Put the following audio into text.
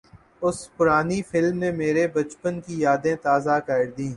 اُس پرانی فلم نے میری بچپن کی یادیں تازہ کردیں